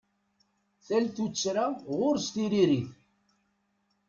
Tal tuttra ɣur-s tiririt.